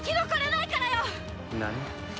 何？